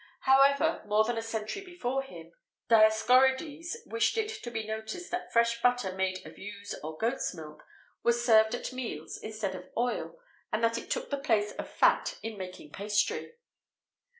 [XVIII 31] However, more than a century before him, Dioscorides wished it to be noticed that fresh butter made of ewes' or goats' milk was served at meals instead of oil, and that it took the place of fat in making pastry.